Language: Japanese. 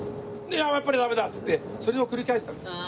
「やっぱりダメだ」っつってそれを繰り返してたんです。